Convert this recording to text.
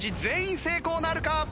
全員成功なるか？